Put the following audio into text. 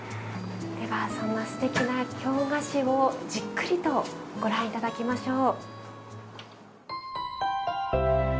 ではそんなすてきな京菓子をじっくりとご覧頂きましょう。